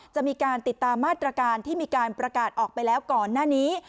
จะมีการติดตามมาตรการที่มีการประกาศออกไปแล้วก่อนหน้านี้